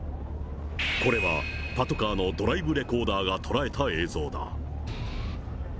これは、パトカーのドライブレコーダーが捉えた映像だ。